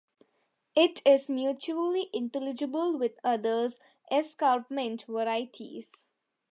It is mutually intelligible with other escarpment varieties.